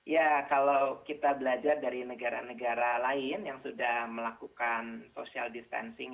ya kalau kita belajar dari negara negara lain yang sudah melakukan social distancing